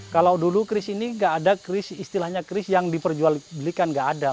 kalau dulu keris ini gak ada keris istilahnya keris yang diperjual belikan gak ada